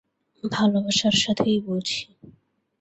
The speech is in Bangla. ভালোবাসার সাথেই বলছি।